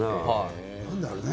何だろうね？